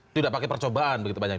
tidak pakai percobaan begitu banyak